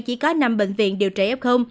chỉ có năm bệnh viện điều trị f